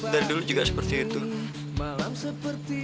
dari dulu juga seperti itu